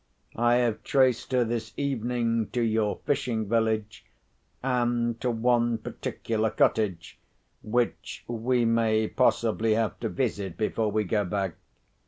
I have traced her this evening to your fishing village, and to one particular cottage, which we may possibly have to visit, before we go back.